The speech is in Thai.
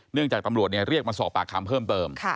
จากตำรวจเรียกมาสอบปากคำเพิ่มเติม